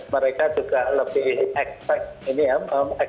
mereka juga lebih expect ini ya expectasi mereka